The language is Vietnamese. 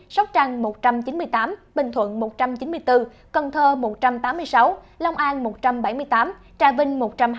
sóc trăng một trăm chín mươi tám bình thuận một trăm chín mươi bốn cần thơ một trăm tám mươi sáu long an một trăm bảy mươi tám trà vinh một trăm hai mươi chín